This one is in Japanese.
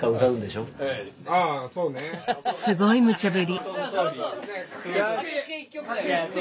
すごいむちゃ振り。